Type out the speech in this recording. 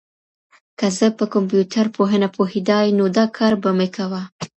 که زه په کمپيوټر پوهنه پوهېدای، نو دا کار به مي کاوه.